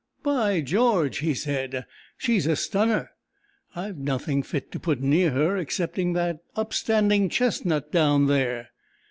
"By George!" he said. "She's a stunner! I've nothing fit to put near her excepting that upstanding chestnut down there."